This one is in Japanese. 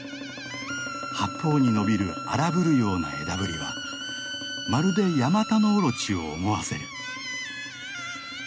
八方に伸びる荒ぶるような枝ぶりはまるでヤマタノオロチを思わせる。